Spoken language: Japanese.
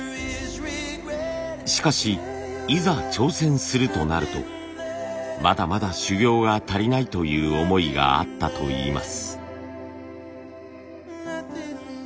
しかしいざ挑戦するとなるとまだまだ修業が足りないという思いがあったといいます。